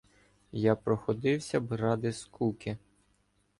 Я проходився б ради скуки